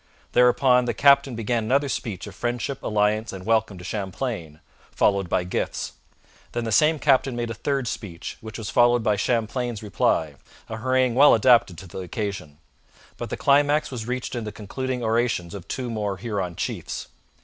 Thereupon the captain began another speech of friendship, alliance, and welcome to Champlain, followed by gifts. Then the same captain made a third speech, which was followed by Champlain's reply a harangue well adapted to the occasion. But the climax was reached in the concluding orations of two more Huron chiefs.